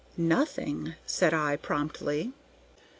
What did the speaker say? "Nothing," said I, promptly.